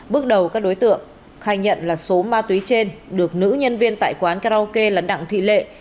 bước đầu các đối tượng khai nhận là số ma túy trên được nữ nhân viên tại quán karaoke lấn đặng thị lệ